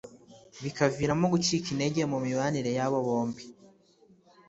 bikaviramo gucika intege mu mibanire yabo bombi